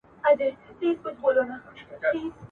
غوره کړی چا دوکان چا خانقاه ده !.